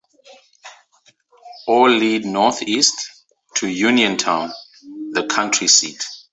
All lead northeast to Uniontown, the county seat.